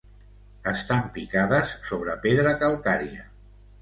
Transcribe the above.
Estan picades sobre pedra calcària.